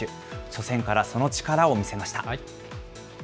初戦からその力を見せました。